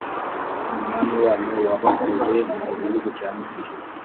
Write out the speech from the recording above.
umwami wanyu wabakuye mu gihugu cya misiri,